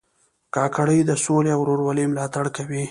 کاکړي د سولې او ورورولۍ ملاتړ کوي.